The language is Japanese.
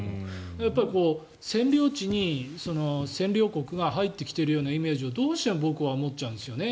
やっぱり占領地に占領国が入ってきているようなイメージをどうしても僕は思っちゃうんですよね。